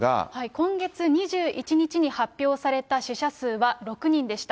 今月２１日に発表された死者数は６人でした。